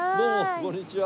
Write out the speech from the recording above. こんにちは。